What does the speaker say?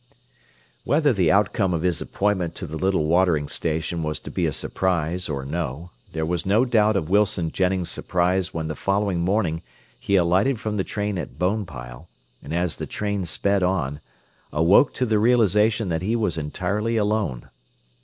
Whether the outcome of his appointment to the little watering station was to be a surprise or no, there was no doubt of Wilson Jennings' surprise when the following morning he alighted from the train at Bonepile, and as the train sped on, awoke to the realization that he was entirely alone.